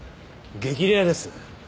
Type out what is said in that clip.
激レアです。